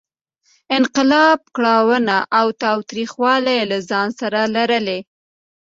انقلاب کړاوونه او تاوتریخوالی له ځان سره لرلې.